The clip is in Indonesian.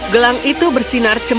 gelang itu bersinar cemas